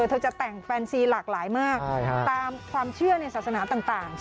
เธอจะแต่งแฟนซีหลากหลายมากตามความเชื่อในศาสนาต่าง